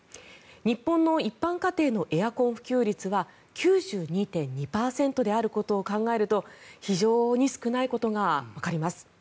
日本の一般家庭のエアコン普及率は９２．２％であることを考えると非常に少ないことがわかります。